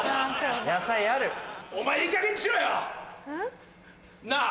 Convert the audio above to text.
お前いいかげんにしろよ！なぁ！